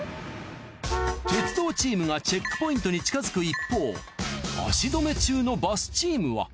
鉄道チームがチェックポイントに近づく一方足止め中のバスチームは。